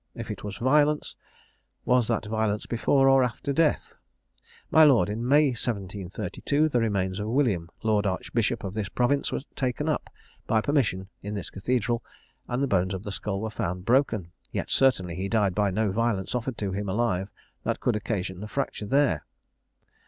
If it was violence, was that violence before or after death? My lord, in May 1732, the remains of William, Lord Archbishop of this province, were taken up, by permission, in this cathedral, and the bones of the skull were found broken; yet certainly he died by no violence offered to him alive that could occasion that fracture there.